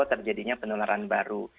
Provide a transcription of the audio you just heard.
terjadinya penularan baru